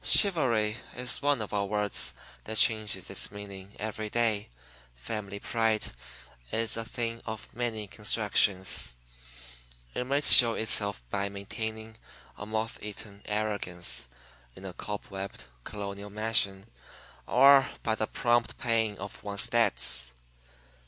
Chivalry is one of our words that changes its meaning every day. Family pride is a thing of many constructions it may show itself by maintaining a moth eaten arrogance in a cobwebbed Colonial mansion or by the prompt paying of one's debts.